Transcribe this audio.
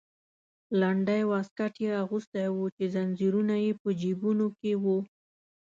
لنډی واسکټ یې اغوستی و چې زنځیرونه یې په جیبونو کې وو.